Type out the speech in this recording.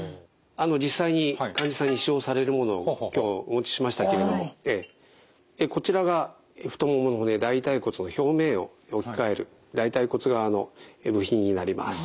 実際に患者さんに使用されるものを今日お持ちしましたけれどもこちらが太ももの骨大腿骨の表面を置き換える大腿骨側の部品になります。